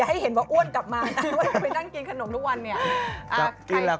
อย่าให้เห็นว่าอ้วนกลับมานะว่าไปนั่งกินขนมทุกวัน